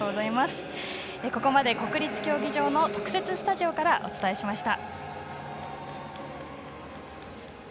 ここまで国立競技場の特設スタジオからお伝えしました。